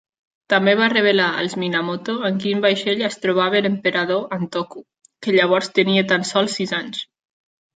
També va revelar als Minamoto en quin vaixell es trobava l'emperador Antoku, que llavors tenia tan sols sis anys.